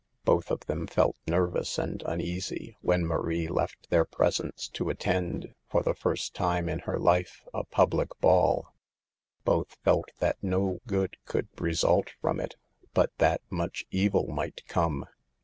Both of them felt nervous and uneasy when Marie left their presence to attend, for the first time in her life, a public ball. Both felt that no good could result from it, but that much evil might come.